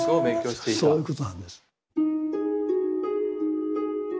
そういうことなんです。